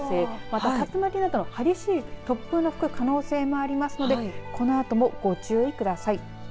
また竜巻などの激しい突風吹く可能性もありますのでこのあともご注意ください。